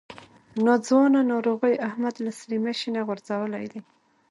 ناځوانه ناروغۍ احمد له ستړي مشي نه غورځولی دی.